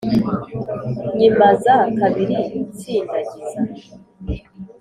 Nyimaza kabiri nsindagiza